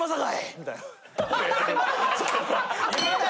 みたいな。